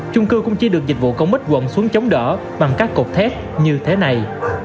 chung cư cũng chỉ được dịch vụ công ích quận xuống chống đỡ bằng các cột thép như thế này